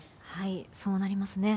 そうなりますね。